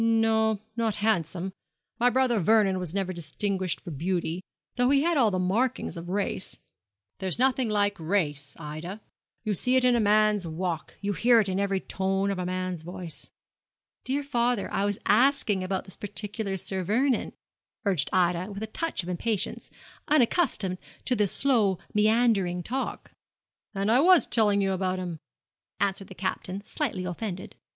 No, not handsome my brother Vernon was never distinguished for beauty, though he had all the markings of race. There is nothing like race, Ida; you see it in a man's walk; you hear it in every tone of a man's voice.' 'Dear father, I was asking about this particular Sir Vernon,' urged Ida, with a touch of impatience, unaccustomed to this slow meandering talk. 'And I was telling you about him,' answered the Captain, slightly offended.